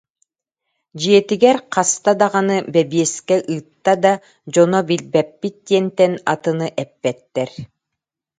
Дьиэтигэр хаста даҕаны бэбиэскэ ыытта да, дьоно «билбэппит» диэнтэн атыны эппэттэр